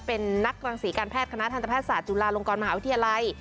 เป็นนักรังศรีการแพทย์คณะทันตแพทยศาสตร์จุฬาลงกรมหาวิทยาลัย